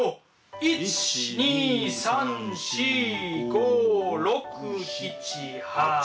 １２３４５６７８。